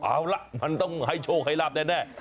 เอาล่ะมันต้องให้โชคให้ลาบแน่